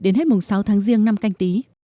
đến hết mùng sáu tháng riêng năm canh tí